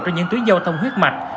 cho những tuyến giao thông huyết mạch